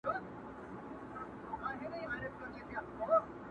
نه مي پل سي څوک په لاره کي میندلای!!